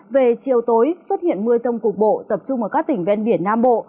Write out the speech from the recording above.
về chiều tối xuất hiện mưa rông cục bộ tập trung ở các tỉnh ven biển nam bộ